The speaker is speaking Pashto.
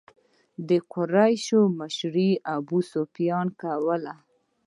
د قریشو مشري ابو سفیان کوله.